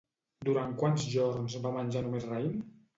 Durant quants jorns van menjar només raïm?